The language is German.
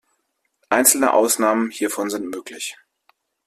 Einzelne Ausnahmen hiervon sind möglich.